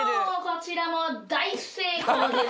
こちらも大成功です。